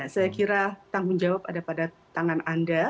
saya kira tanggung jawab ada pada tangan anda